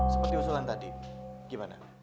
seperti usulan tadi gimana